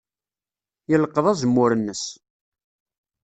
Yelqeḍ azemmur-nnes.